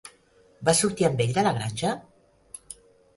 Vas sortir amb ell de La granja?